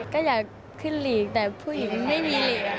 ก็อยากขึ้นหลีกแต่ผู้หญิงไม่มีหลีก